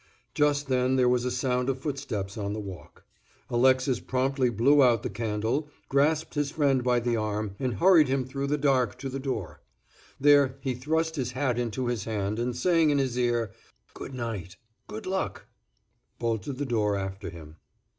Just then there was a sound of footsteps on the walk. Alexis promptly blew out the candle, grasped his friend by the arm, and hurried him through the dark to the door. There he thrust his hat into his hand, and saying in his ear, "Good night—good luck," bolted the door after him.